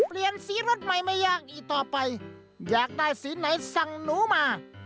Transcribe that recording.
เปลี่ยนสีรถใหม่ไม่ยากอีกต่อไปอยากได้สีไหนสั่งหนูมา